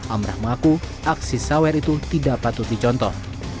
amrah mengaku aksi sawer itu tidak patut dicontoh